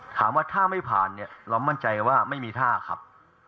ถามว่าถ้าไม่ผ่านเนี่ยเรามั่นใจว่าไม่มีท่าครับ